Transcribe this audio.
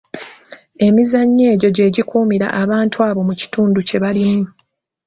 Emizannyo egyo gye gikuumira abantu abo mu kitundu kye balimu.